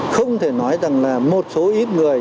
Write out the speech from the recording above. không thể nói rằng là một số ít người